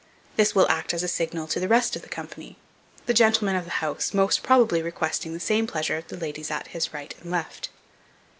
This will act as a signal to the rest of the company, the gentleman of the house most probably requesting the same pleasure of the ladies at his right and left.